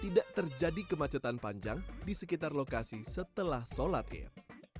tidak terjadi kemacetan panjang di sekitar lokasi setelah sholat id